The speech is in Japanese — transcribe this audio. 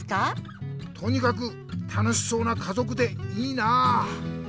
とにかく楽しそうなかぞくでいいなあ。